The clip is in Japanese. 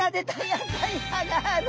やっぱり歯がある。